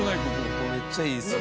ここめっちゃいいですよ。